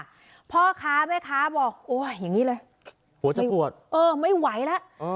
พ่อค้าแม่ค้าบอกโอ้ยอย่างนี้เลยหัวจะปวดเออไม่ไหวแล้ว